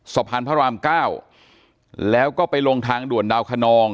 สะพานพระรามเก้าแล้วก็ไปลงทางด่วนดาวคนอง